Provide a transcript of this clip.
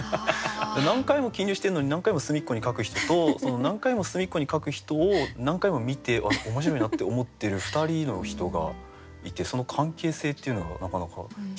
何回も記入してるのに何回も隅っこに書く人とその何回も隅っこに書く人を何回も見てわっ面白いなって思ってる２人の人がいてその関係性っていうのがなかなかひかれました。